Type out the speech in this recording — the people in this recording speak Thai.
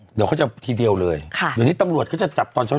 เดี๋ยวเขาจะทีเดียวเลยค่ะเดี๋ยวนี้ตำรวจเขาจะจับตอนเช้า